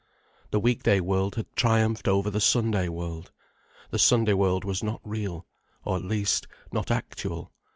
The weekday world had triumphed over the Sunday world. The Sunday world was not real, or at least, not actual.